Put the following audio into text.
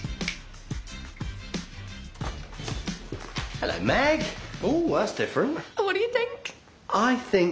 ただいま！